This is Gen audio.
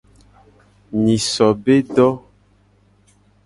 Nyiso be do.